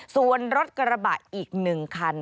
ส่วนรถกระบะอีก๑คัน